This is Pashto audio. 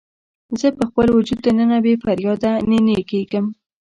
زه په خپل وجود دننه بې فریاده نینې کیږم